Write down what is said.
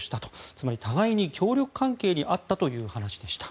つまり互いに協力関係にあったという話でした。